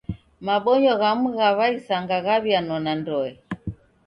Mabonyo ghamu gha w'aisanga ghaw'ianona ndoe.